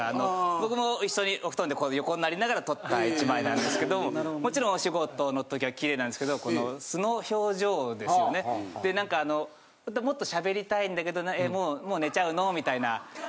僕も一緒にお布団でこう横になりながら撮った１枚なんですけどももちろんお仕事の時は綺麗なんですけどこの素の表情ですねで何かあの本当はもっと喋りたいんだけどもうもう寝ちゃうの？みたいな。